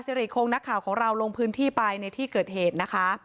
สิริคงนักข่าวของเราลงพื้นที่ไปในที่เกิดเหตุนะคะ